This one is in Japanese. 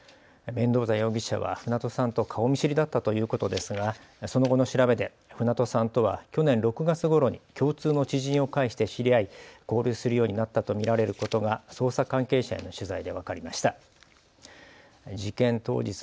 メンドーザ容疑者は船戸さんと顔見知りだったということですがその後の調べで船戸さんとは去年６月ごろに共通の知人を介して知り合い交流するようになったと見られることが捜査関係者への取材で分かりました。